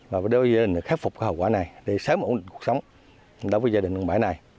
và đối với gia đình khép phục hậu quả này để sớm ổn định cuộc sống đối với gia đình quân bãi này